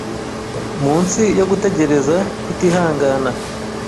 Munsi yo gutegereza kutihangana